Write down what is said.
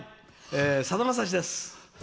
さだまさしです。